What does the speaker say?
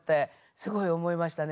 すごい思いましたね